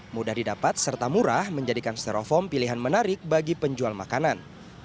mudah didapat serta murah menjadikan steroform pilihan menarik bagi penjual makanan